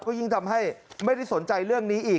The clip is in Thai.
ก็ยิ่งทำให้ไม่ได้สนใจเรื่องนี้อีก